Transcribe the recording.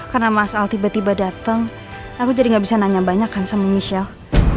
karena mas al tiba tiba dateng aku jadi gak bisa nanya banyak kan sama michelle